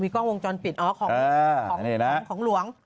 กล้องวงจรปิดอ๋อของหลวง